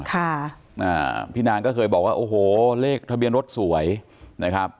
ค่ะอ่าพี่นางก็เคยบอกว่าโอ้โหเลขทะเบียนรถสวยนะครับ